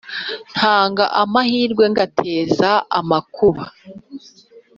ntanga amahirwe, ngateza n’amakuba: